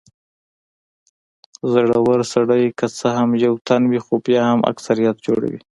زړور سړی که څه هم یو تن وي خو بیا هم اکثريت جوړوي.